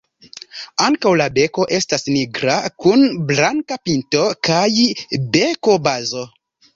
Ankaŭ la beko estas nigra kun blanka pinto kaj bekobazo.